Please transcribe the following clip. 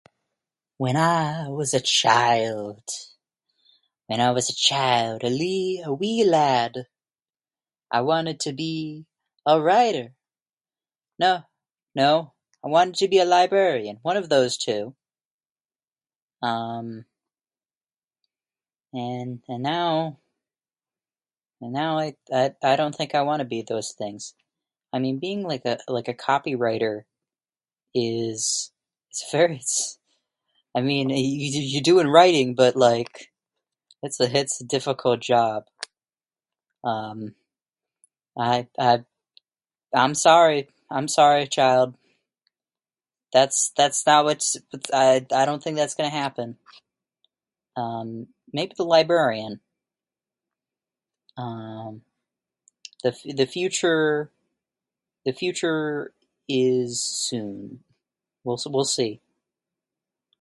When I was a child, when I was a child, a wee a wee lad, I wanted to be a writer. No, no, I wanted to be a librarian. One of those two. Um, and, and now, and now I I don't think I wanna be those things. I mean being like a like a copywriter is... it's very it's... i mean you you do writing but like, it's a difficult job. Um I I'm, I'm sorry, I'm sorry child. That's that's not what's... I don't think that's gonna happen. Um, maybe the librarian. Um, the future, the future is soon. We'll we'll see.